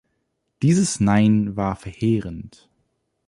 Dieses "Nein" war verheerend.